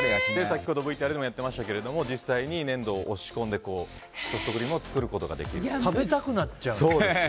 先ほどＶＴＲでも言ってましたけども実際に粘土を押し込んでソフトクリームを作ることができるという。